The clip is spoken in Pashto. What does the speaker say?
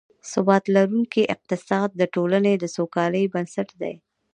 ثبات لرونکی اقتصاد، د ټولنې د سوکالۍ بنسټ دی